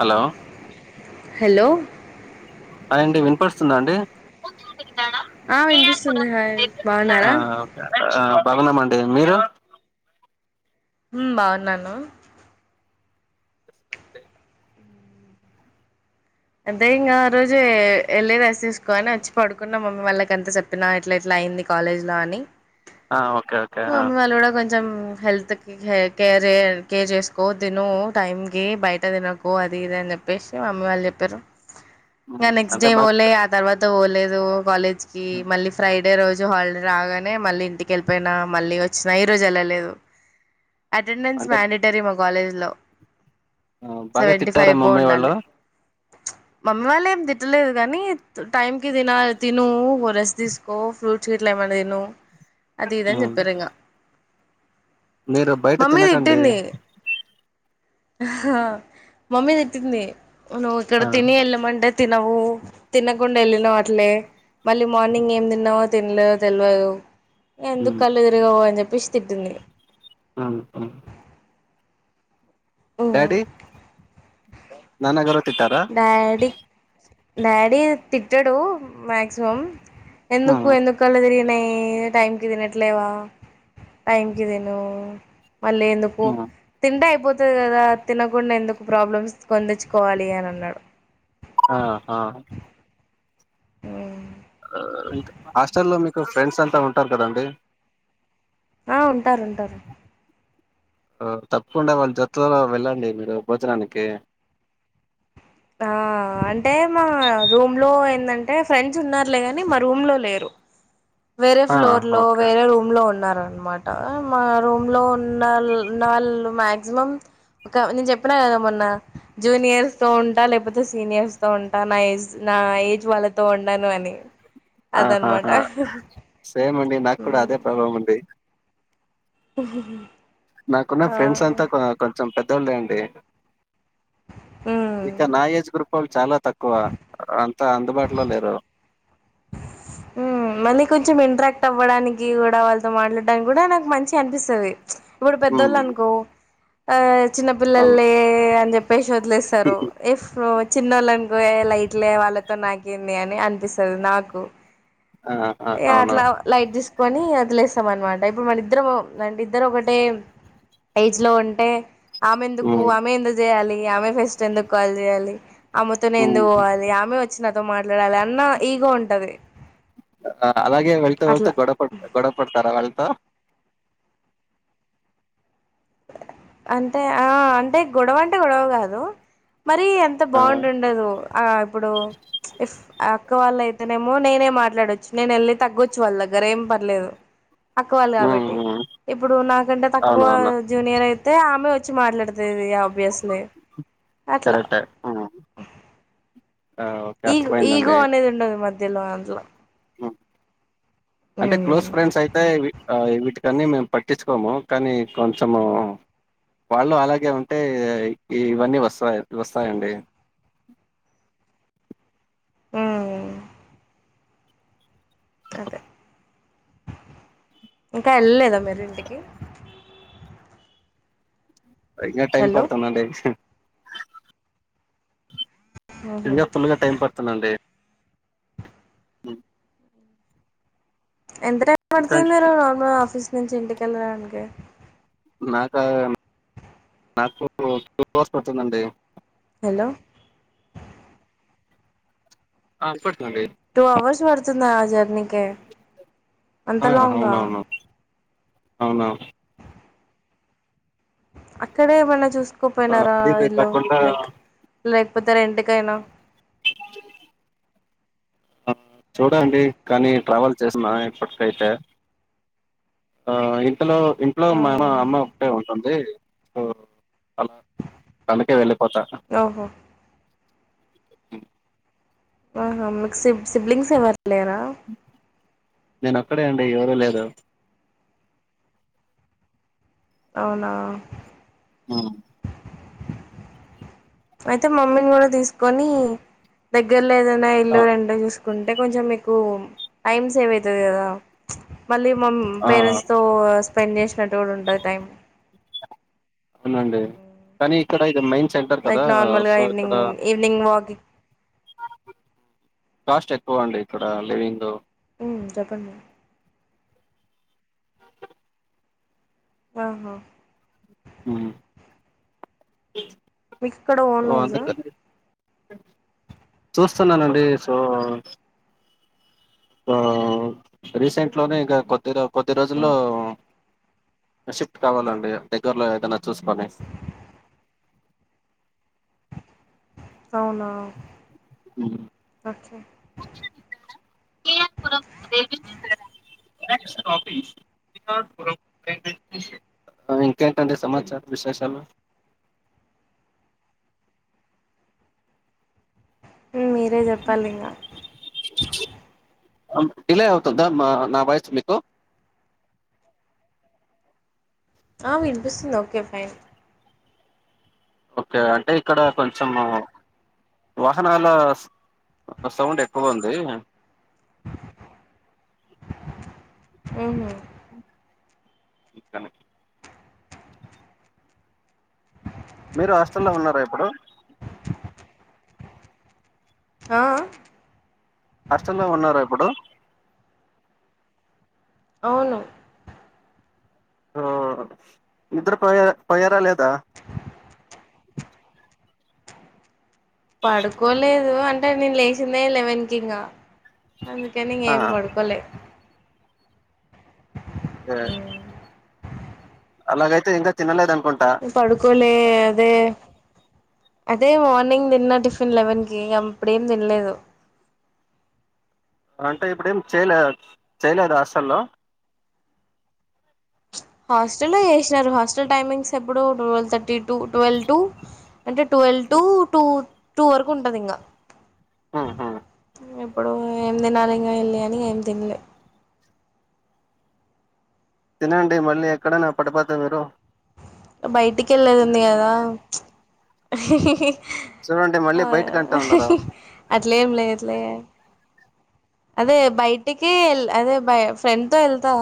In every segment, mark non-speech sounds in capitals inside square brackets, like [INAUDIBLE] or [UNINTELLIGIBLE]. Hello hello hi అండి వినిపడుస్తుందా అండి ఆ వినిపిస్తుంది హయ్ ఆ బాగున్నారా ఆ బాగున్నామండి మీరు. హ్మ్మ్ బాగున్నాను. అంతే అదే ఇంకా ఆ రోజు ఎళ్ళి రేస్ తీసుకోని వచ్చి పడుకున్నాం మమ్మీ వాళ్ళక అంతా చెప్ప. చెప్పిన ఇట్లా ఇట్లా అయింది కాలేజ్ లో అని ఆ ఓకే ఓకే ఆ మమ్మీ వాళ్ళు కూడా కొంచెం హెల్త్. కేర్ కేర్ చేసుకో తిను టైంకి బయట తినకు అది ఇది అని చెప్పేసి మమ్మీ వాళ్ళు చె. పిరు ఆ నెక్స్ట్ అంటే డే ఫోలే బాగా ఆ తర్వాత ఫోలేదు కాలేజ్ కి మళ్ళీ ఫ్రై అదే రోజు హాలిడే రాగానే మళ్ళీ ఇంటికిళ్ళపోయినా మళ్ళీ వచ్చినా ఈ రోజు ఎళ్ళలేదు అటెండెన్స్ అంటే మ్యాండటరీ మా కాలేజ్లో బాగా సెవెంటీ తిట్టారా ఫైవ్ అబో మమ్మీ వాళ్ళు ఉండాలి మమ్మీ వాళ్ళు ఏం తిట్టలేదు కాని టైం కి తినాలి తిను ఓ రెస్ తీసుకు. కో ఫ్రూట్స్ గిట్ల ఏమన్నా తిను అది ఇది అని చెపింరిగా మీరు బయట తినకండి. తిట్టింది మమ్మీ తిట్టింది నువ్వు ఇక్కడ ఆ తిని వెళ్ళమంటే. తినవు తినకుండా వెళ్ళినావు అట్లే మళ్ళీ మార్నింగ్ ఏం తిన్నావు. తినలే తెలవదు ఎందుకు ఉమ్ కళ్ళు ఎదురగవు అని చెప్పేసి తిట్టింది. హ్మ్మ్ హ్మ్మ్ డాడీ నాన్నగారు తిట్టారా. డాడీ డాడీ తిట్టాడు మ్యాక్సిమం ఎందుకు ఉమ్ ఎందుకు కళ్లు తిరిగినాయి టైం కి తినట్లేవా టైం కి తిను మళ్లీ ఎందుకు. పో ఉమ్ తింటే అయిపోతది కదా తినకుండా ఎందుకు ప్రాబ్లమ్స్ కొని తెచ్చుకోవాలి అని అన్నాడు ఆహా హ్మ్మ్ హాస్టల్ లో మీకు ఫ్రెండ్స్ అంతా ఉంటారు కదండి. ఆ ఉంటారు ఉంటారు. తప్పకుండా వాళ్ళ జతులలో వెళ్ళండి మీరు భోజనానికి. ఆ అంటే మా రూమ్ లో ఏందంటే ఫ్రెండ్స్ ఉన్నారులే కాని మా రూమ్ లో లేరు. వేరే ఆ ఫ్లోర్ లో ఓకే వేరే రూమ్. రూం లో ఉన్నారనమాట మా రూమ్ లో ఉన్నళ్ళున్నళ్ళు మాక్సిమం. ఒక నేను చెప్పినా కదా మొన్న జూనియర్స్ తో ఉం. ఉంటా లేకపోతే సీనియర్స్ తో ఉంటా నా ఏజ్ నా ఏజ్ వాళ్ళతో ఉండను అని. అదన్నమాట ఆహాహా సేమ్ అండి నాకు కూడా అదే ప్రాబ్లం అండి. నాకున్న ఆ ఫ్రెండ్స్ అంతా కొంచెం పెద్దోళ్ళు అండి ఉమ్ ఇక నా ఏజ్ గ్రూప్ వాళ్ళు చాలా తక్కువ అంత అందుబాటులో లేరు. హ్మ్ మళ్ళీ కొంచెం ఇంట్రాక్ట్ అవ్వడానికి కూడా వాళ్ళతో మాట్లాడడానికి కూడా నాకు మంచిగా అనిపిస్తది. ఇప్పుడు హ్మ్ పెద్దోళ్ళు అనుకో ఏ అవును. చిన్నపిల్లలే అని చెప్పేసి వదిలేసారు. ఎఫ్రు చిన్నోళ్ళు అనుకో ఏ లైట్ వాళ్ళతో నాకింది అని అనిపిస్తుంది నాకు ఆ ఆ ఇగ అవును. అట్లా లైట్ తీసుకొని వదిలేస్తాం అనమాట ఇప్పుడు మన ఇద్దరం అంటే ఇద్దరు ఒకటే ఏజ్ లో ఉంటే ఆమె ఎందుకు హ్మ్ ఆమె ఎందుకు చేయాలి ఆమె ఫెస్ట్ ఎందుకు కాల్ చేయాలి ఆమె తో హ్మ్ నేనెందుకు పోవాలి ఆమె వట్చి నాతో మాట్లాడాలి అన్న ఇగో ఉంటది ఆ అలాగే వెళ్తూ వెళ్తూ అట్లా గొడప గొడ పడతారా వాళ్ళతో అంటే ఆ అంటే గొడవ అంటే గొడవ కాదు మరి అంత ఆ బాండ్ ఉండదు ఆ ఇప్పుడు ఇఫ్ ఆ అక్క వాళ్ళయితేనేమో నేనే మాట్లాడొచ్చు నేను ఎళ్ళి తగ్గోచ్చు వాళ్ళ దగ్గర ఏం పర్లేదు అక్కవాళ్ళు హ్మ్ కాబట్టి హ్మ్ ఇప్పుడు నాకంటే తక్కువ అవునవును. జూనియర్ అయి అయితే ఆమె వచ్చి మాట్లాడుతది ఆబ్యస్ కరెక్టే ఆ ఓకే ఈ గ్ ఈగో అర్థమైందండి. అనేది ఉండదు మధ్యలో అందులో హ్మ్ అంటే ఉమ్ క్లోజ్ ఫ్రెండ్స్ అయితే ఇవి ఆ వీటికన్ని మేము పట్టించుకోము కానీ కొంచెము వాళ్ళు అలాగే ఉంటే ఇవన్నీ వస్తాయి వస్తాయ అండి ఊ అదే ఇంకా ఎళ్ళలేదా మీరు ఇంటికి ఇంగా టైమ్ హలో పడుతుంది అండి ఇంగా ఫుల్ గా టైం పడుతుంది అండి ఉ ఎంత టైం పడుతుంది నార్మల్ గా ఆఫీస్ నుంచి ఇంటికి ఎళ్ళడానికి నా కా నాకు టూ అవర్స్ పడుతుంది అండి హలో ఆ ఇనపడుతుంది అండి టూ అవర్స్ పడుతుందా ఆ జర్నీ కే అంత ఆ, లాంగా అవునవును అవునా అక్కడే ఏమన్నా ఆ, చూసుకోపోయినారా అది ఇది ఇల్లు కాకుండా లైక్ లేకపోతే రెంట్ కైనా ఆ చూడలండి కానీ ట్రావెల్ చేసిన ఇప్పటికైతే ఆ ఇంట లో ఇంట్లో మా మ్మ్. అమ్మ ఒకటే ఉ ఉంది సొ అలా కందుకే వెళ్ళిపోతా ఓహో ఆహా మీకు సిబ్ సిబ్లింగ్స్ ఎవరు లేరా నేను ఒక్కడే అండి ఎవరు లేదు అవునా ఆ అయితే మమ్మీని కూడా తీసుకొని దగ్గరలో ఏదైనా ఆ, ఇల్లు రెంట్ చూస్ ఉంటే కొంచెం మీకు టైమ్ సేవ్ అయితది కదా ప్చ్ మళ్ళీ మమ్ ఆ, పేరెంట్స్ తో స్పెండ్ చేసినట్టు కూడా ఉంటది టైం అవునండి కానీ ఇక్కడ ఇది మెయిన్ సెంటర్ కదా లైక్ నార్మల్గా సో ఇక్కడ ఈవినింగ్ ఈవినింగ్ వాకి కాస్ట్ ఎక్కువ అండి ఇక్కడ లివింగ్ ఊ చెప్పండి ఆహా ఊ మీకు ఇక్కడ సో ఓన్ హౌసా అందుకనే చూస్తున్నాను అండి సో ఆ రీసెంట్ లోనే ఇంకా కొద్దిర కొద్ది మ్ రోజుల్లో షిఫ్ట్ కావాలి అండి దగ్గరలో ఏదైనా చూసుకొని అవునా ఉమ్ ఓకే [UNINTELLIGIBLE] ఆ ఇంకేంటి అండి సమాచార విశేషాలు మీరే చెప్పాలి ఇంగ అ డిలే అవుతుందా మా నా వాయిస్ మీకు ఆ వినిపిస్తుంది ఓకే ఫైన్ ఓకే అంటే ఇక్కడ కొంచెము వాహనాల సౌండ్ ఎక్కువ ఉంది ఉమ్ హ్ దుకనే మీరు హాస్టల్లో ఉన్నారా ఇప్పుడు ఆ అహ్ హాస్టల్లో ఉన్నార ఇప్పుడు అవును ఆ హ్ ఇద్దరు పోయర పోయారా లేదా పడుకోలేదు అంటే నేను లేసిందే లెవెన్ కింగా అందుకే ఆ ఇంగేం పడుకోలే ఏ అలాగైతే ఇంకా తినలేదనుకుంటా మ్ పడుకోలే అదే అదే మార్నింగ్ తిన్న టిఫిన్ లెవెన్ కి ఇగ ఇప్పుడేం తినలేదు అంటే ఇప్పుడేం చేయలే చేయలేదా హాస్టల్లో హాస్టల్లో చేసినారు హాస్టల్ టైమింగ్స్ ఎప్పుడూ twelve thirty to twelve to అంటే ట్వెల్వ్ టు టూ టూ వరకు ఉంటది ఇంగా ఆహా ఇప్పుడు ఏం తినాలి ఇంగ ఎళ్ళి అని ఏం తినలే తినండి మళ్ళీ ఎక్కడైనా పడిపోతే మీరు బయటికెళ్ళేదుంది గదా చూడండి మళ్ళీ బయటికంటా ఉండారా రా అట్లేం లేదులే అదే బయటికి ఎల్ అదే ఫ్రెండ్ తో ఎళ్తా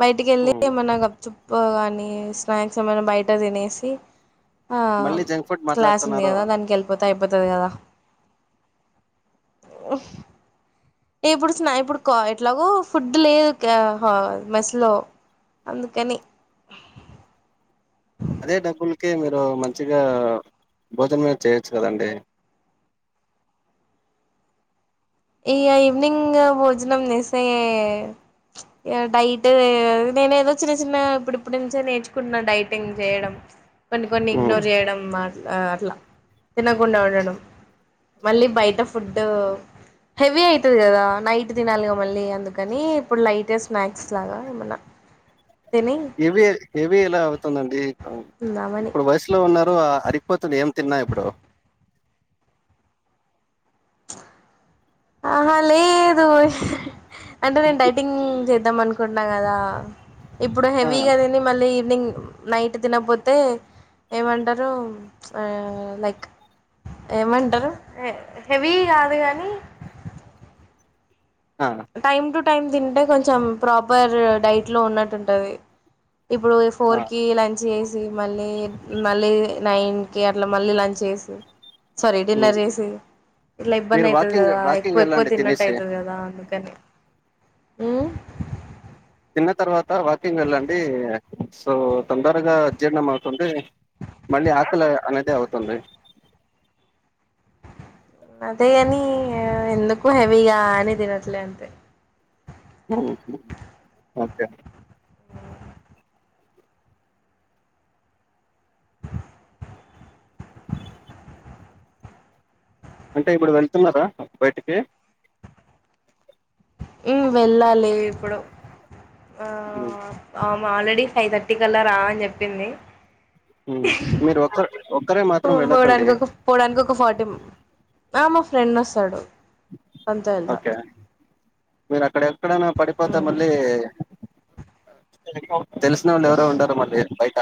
బయటికెళ్ళి ఉమ్, ఏమన్నా గప్ చుప్ గాని స్నాక్స్ ఏమన్న బయట తినేసి ఆ మళ్ళీ జంక్ ఫుడ్ క్లాస్ ఉంది మాట్లాడుతున్నారు గదా దానికెల్ప్ పోతే అయిపోతది గదా ఇప్పుడు స్నా ఇప్పుడు కా ఎట్లాగో ఫుడ్ లేదు క్యా హా మెస్ లో అందుకని అదే డబ్బులకి మీరు మంచిగా భోజనం చేయొచ్చు కదండి ఇగ ఈవినింగ్ భోజనం చేస్తే ఇగ డైట్ నేను ఏదో చిన్న చిన్నగా ఇప్పుడిప్పుడు నించే నేర్చుకుంటున్నా డైటింగ్ చేయడం కొన్ని కొన్ని ఉమ్, ఇగ్నోర్ జేయడం మాట్ ఆ అట్లా తినకుండా ఉండడం మళ్ళీ బయట ఫుడ్డు హెవీ అయితది గదా నైట్ తినాలిగా మళ్ళీ అందుకని ఇప్పుడు లైట్గా స్నాక్స్ లాగా ఏమన్నా తిని హెవీ హెవీ ఎలా అవుతుందండి ఉందామని ఇప్పుడు వయసులో ఉన్నారు ఆ అరిపోతుంది తిన్నా ఇప్పుడు ఆహా లేదు అంటే నేను డైటింగ్ చేద్దాం అనుకుంటున్నాం కదా ఇప్పుడు ఆ హెవీగా తిని మళ్ళీ ఈవినింగ్ నైట్ తినకపోతే ఏమంటారు లైక్ ఏమంటారు హెవీ కాదు గాని ఆ టైమ్ టు టైమ్ తింటే కొంచెం ప్రాపర్ డైట్ లో ఉన్నట్టుంటుంది ఇప్పుడు ఆ ఫోర్కి లంచ్ చేసి మళ్ళీ మళ్ళీ నైన్కి అట్లా మళ్ళీ లంచ్ చేసి సారీ ఉమ్. డిన్నర్ చేసి ఇట్లా ఇబ్బంది మీరు అవుతుంది వాకింగ్ కదా ఎక్కువ వాకింగ్ ఎక్కువ వెళ్ళండి తిన్నట్టు తినేసి అవుతుంది కదా అందు కని ఉమ్ తిన్న తర్వాత వాకింగ్ వెళ్ళండి సో తొందరగా అజీర్ణం అవుతుంది మళ్ళీ ఆకలి అనేది అవుతుంది అదే అని ఎందుకు హెవీగా అని తినట్లే అంతే ఓకే అంటే ఇప్పుడు వెళ్తున్నారా బయటికి ఉమ్ వెళ్ళాలి ఇప్పుడు ఉమ్, ఆ ఆల్రెడీ ఫైవ్ థర్టీ కల్లా రా అని చెప్పింది మీరు ఒకరు ఒక్కరే మాత్రం వెళ్ళకండి పోవడానికి ఒక పోవడానికి ఒక ఫార్టీ మా ఫ్రెండ్ వస్తాడు తనతో వెళ్తా ఓకే మీరు అక్కడ ఎక్కడైనా పడిపోతే మళ్ళీ తెలిసిన వాళ్ళు ఎవరో ఉండార మళ్ళీ బయట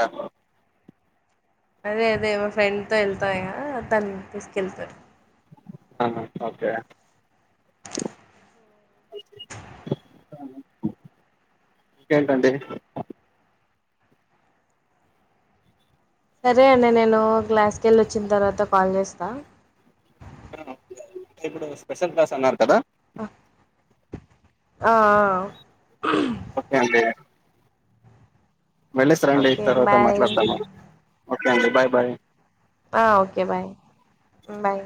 అదే అదే మా ఫ్రెండ్ తో వెళ్తాంది ఇగ తను తీసుకెళ్తాది ఆ ఓకే ఇంకేంటండి సరే అండి నేను క్లాస్కి వెళ్ళి వచ్చిన తర్వాత కాల్ చేస్తా ఇప్పుడు స్పెషల్ క్లాస్ అన్నారు కదా ఆ ఆ ఒకే అండి వెళ్ళొస్తారండి ఈ ఓకే తర్వాత బాయ్ మాట్లాడతాను ఓకే అండి బై బాయ్ ఆ ఓకే బాయ్ బాయ్